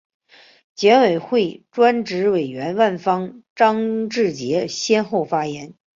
检委会专职委员万春、张志杰先后发言